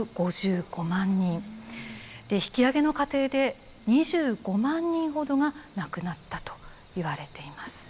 で引き揚げの過程で２５万人ほどが亡くなったといわれています。